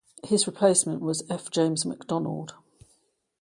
His replacement was F. James McDonald.